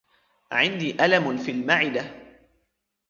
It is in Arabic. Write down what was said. عندي ألم في المعدة.